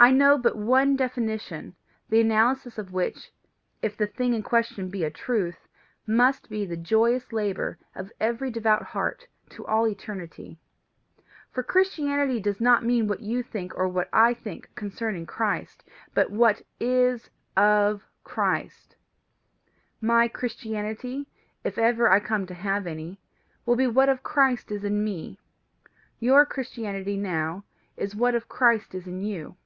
I know but one definition, the analysis of which, if the thing in question be a truth, must be the joyous labour of every devout heart to all eternity. For Christianity does not mean what you think or what I think concerning Christ, but what IS OF Christ. My Christianity, if ever I come to have any, will be what of Christ is in me; your Christianity now is what of Christ is in you.